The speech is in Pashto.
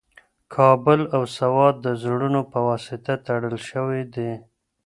کابل او سوات د زړونو په واسطه تړل شوي دي.